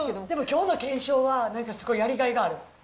きょうの検証は、なんかすごいやりがいがある。